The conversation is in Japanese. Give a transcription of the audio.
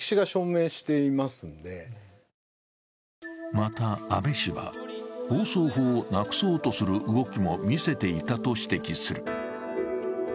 また安倍氏は放送法をなくそうとする動きも見せていたと指摘する。